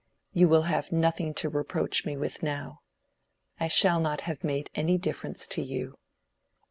You will have nothing to reproach me with now. I shall not have made any difference to you."